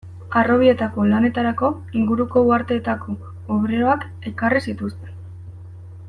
Harrobietako lanetarako inguruko uharteetako obreroak ekarri zituzten.